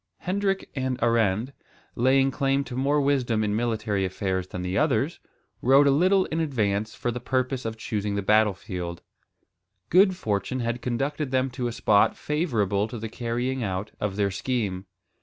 Hendrik and Arend, laying claim to more wisdom in military affairs than the others, rode a little in advance for the purpose of choosing the battle field. Good fortune had conducted them to a spot favourable to the carrying out of their scheme.